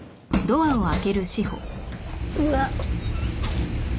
うわっ。